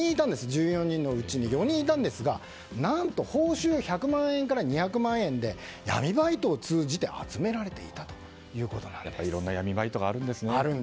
１４人のうちに４人いたんですが何と報酬が１００万円から２００万円で闇バイトを通じていろんな闇バイトがあるんですね。